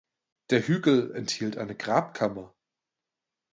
Der Hügel enthielt eine Grabkammer.